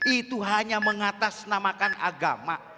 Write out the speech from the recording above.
itu hanya mengatasnamakan agama